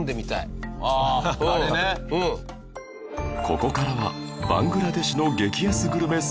ここからはバングラデシュの激安グルメ３連発！